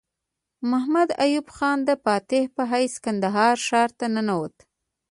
محمد ایوب خان د فاتح په حیث کندهار ښار ته ننوت.